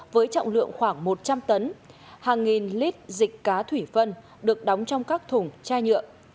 với trọng lượng khoảng một trăm linh tấn hàng nghìn lít dịch cá thủy phân được đóng trong các thùng chai nhựa